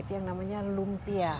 itu yang namanya lumpia